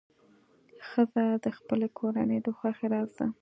ښځه د خپلې کورنۍ د خوښۍ راز ده.